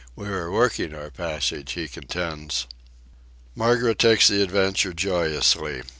We are working our passage, he contends. Margaret takes the adventure joyously.